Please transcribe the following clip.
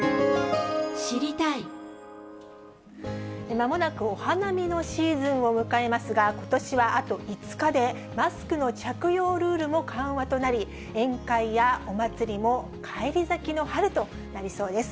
まもなくお花見のシーズンを迎えますが、ことしはあと５日で、マスクの着用ルールも緩和となり、宴会やお祭りも返り咲きの春となりそうです。